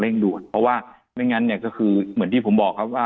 อยากเร่งเร่งดวนเพราะว่าไม่งั้นก็คือเหมือนที่ผมบอก